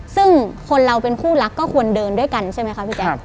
ซึ่งคนเราเป็นคู่รักก็ควรเดินด้วยกันใช่ไหมคะพี่แจ๊ค